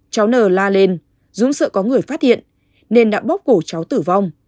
cháu nờ la lên dúng sợ có người phát hiện nên đã bóc cổ cháu tử vong